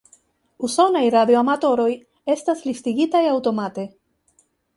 Usonaj radioamatoroj estas listigitaj aŭtomate.